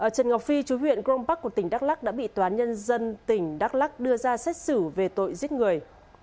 trần ngọc phi chú huyện grom park của tỉnh đắk lắc đã bị toán nhân dân tỉnh đắk lắc đưa ra xét xử về tội giết người